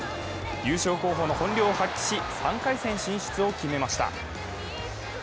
優勝候補の本領を発揮し３回戦進出を決めました。